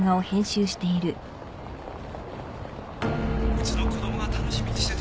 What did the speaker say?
うちの子供が楽しみにしてて。